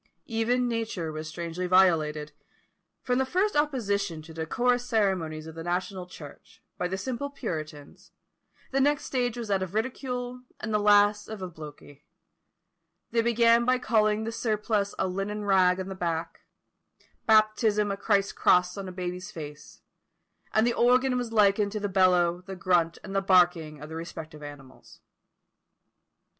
Even nature was strangely violated! From the first opposition to the decorous ceremonies of the national church, by the simple puritans, the next stage was that of ridicule, and the last of obloquy. They began by calling the surplice a linen rag on the back; baptism a Christ's cross on a baby's face; and the organ was likened to the bellow, the grunt, and the barking of the respective animals.